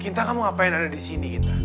gita kamu ngapain ada di sini gita